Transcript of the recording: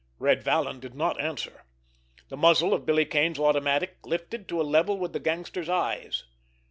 Red Vallon did not answer. The muzzle of Billy Kane's automatic lifted to a level with the gangster's eyes.